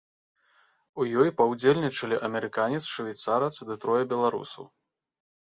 У ёй паўдзельнічалі амерыканец, швейцарац ды трое беларусаў.